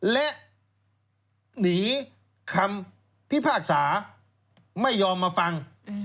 และหนีคำพิพากษาไม่ยอมมาฟัง